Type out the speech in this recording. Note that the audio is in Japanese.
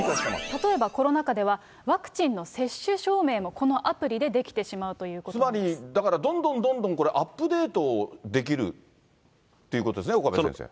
例えば、コロナ禍ではワクチンの接種証明もこのアプリでできつまりだから、どんどんどんどんアップデートできるっていうことですね、岡部先生。